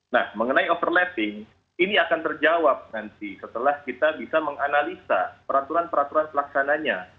nah mengenai overlapping ini akan terjawab nanti setelah kita bisa menganalisa peraturan peraturan pelaksananya